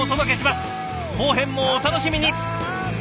後編もお楽しみに！